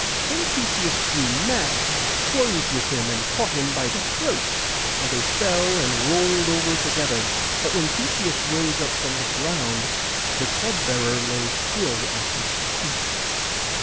Then Theseus grew mad, and closed with him, and caught him by the throat, and they fell and rolled over together; but when Theseus rose up from the ground the club bearer lay still at his feet.